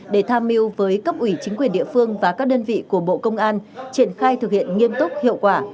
để tham mưu với cấp ủy chính quyền địa phương và các đơn vị của bộ công an triển khai thực hiện nghiêm túc hiệu quả